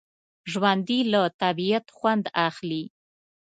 ژوندي له طبعیت خوند اخلي